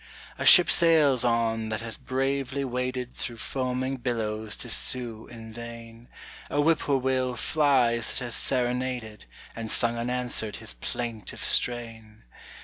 A ship sails on that has bravely waded Through foaming billows to sue in vain; A whip poor will flies that has serenaded And sung unanswered his plaintive strain.